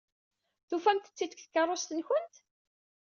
Tufamt-t-id deg tkeṛṛust-nwent?